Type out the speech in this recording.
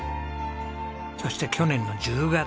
そして去年の１０月。